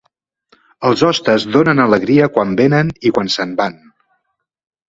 Els hostes donen alegria quan venen i quan se'n van.